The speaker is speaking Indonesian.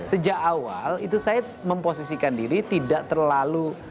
sejak awal itu saya memposisikan diri tidak terlalu